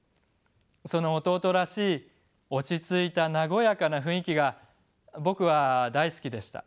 その弟らしい落ち着いた和やかな雰囲気が僕は大好きでした。